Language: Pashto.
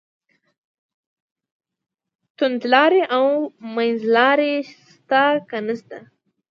توندلاري او منځلاري شته که نشته.